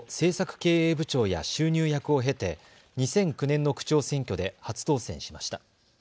経営部長や収入役を経て２００９年の区長選挙で初当選しました。